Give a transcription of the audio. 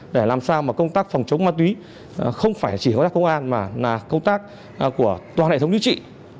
để làm sao mà công tác phòng chống ma túy không phải chỉ công tác công an mà là công tác của toàn hệ thống chính trị